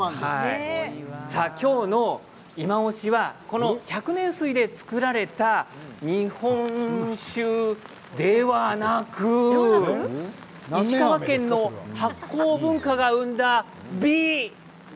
今日のいまオシはこの百年水で造られた日本酒ではなく石川県の発酵文化が生んだ美。